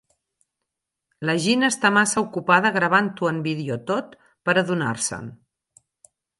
La Gina està massa ocupada gravant-ho en vídeo tot per adonar-se'n.